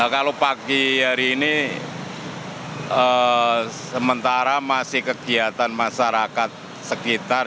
kalau pagi hari ini sementara masih kegiatan masyarakat sekitar